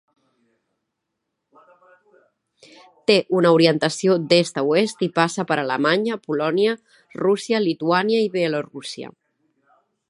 Té una orientació d'est a oest i passa per Alemanya, Polònia, Rússia, Lituània i Bielorússia.